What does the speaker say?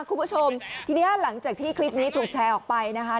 คุณผู้ชมทีนี้หลังจากที่คลิปนี้ถูกแชร์ออกไปนะคะ